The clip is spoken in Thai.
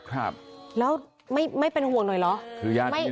แล้วไม่เป็นห่วงหน่อยเหรอ